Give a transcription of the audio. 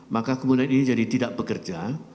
maka kemudian ini jadi tidak bekerja